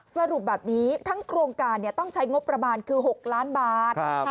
สรุปแบบนี้ทั้งโครงการต้องใช้งบประมาณคือ๖ล้านบาท